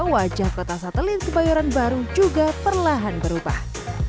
wajah kota satelit kebayoran baru juga perlahan berubah